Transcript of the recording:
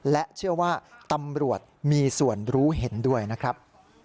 และเชื่อว่าตำรวจมีส่วนรู้เห็นด้วยนะครับ